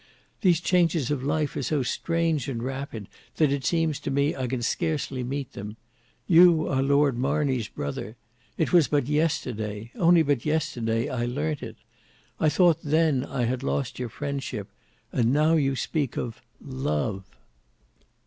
"These changes of life are so strange and rapid that it seems to me I can scarcely meet them. You are Lord Marney's brother; it was but yesterday—only but yesterday—I learnt it. I thought then I had lost your friendship, and now you speak of—love!